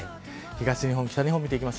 東日本、北日本です。